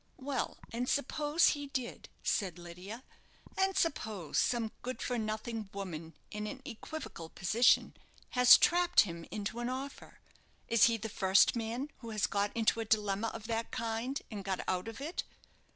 "Well, and suppose he did," said Lydia, "and suppose some good for nothing woman, in an equivocal position, has trapped him into an offer. Is he the first man who has got into a dilemma of that kind, and got out of it?